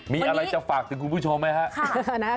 มีอะไรจะฝากถึงคุณผู้ชมไหมครับวันนี้ค่ะ